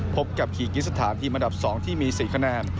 พบกับคีกิสถานทีมอันดับ๒ที่มี๔คะแนน